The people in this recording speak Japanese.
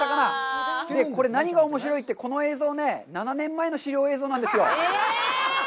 これ、何がおもしろいってこの映像ね、７年前の資料映像なんですよ。